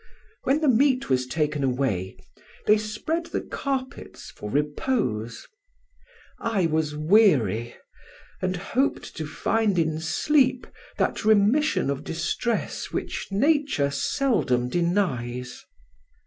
When the meat was taken away, they spread the carpets for repose. I was weary, and hoped to find in sleep that remission of distress which nature seldom denies.